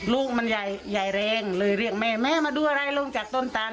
ลูกมันใหญ่แรงเลยเรียกแม่แม่มาดูอะไรลงจากต้นตัน